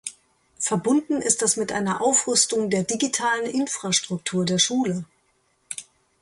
Verbunden ist das mit einer Aufrüstung der digitalen Infrastruktur der Schule.